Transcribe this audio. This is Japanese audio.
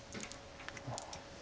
ああ。